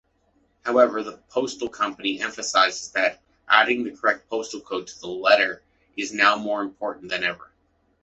However, the postal company emphasizes that adding the correct postal code to the letter is now more important than ever.